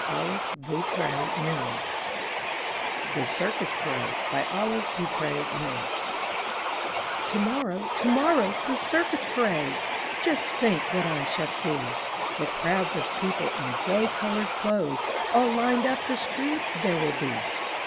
385 M Y BOOK HOUSE THE CIRCUS PARADE Olive Beaupre Miller Tomorrow, tomorrow's the circus parade! Just think what I shall see! What crowds of people in gay colored clothes All lined up the street there will be.